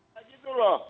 kayak gitu loh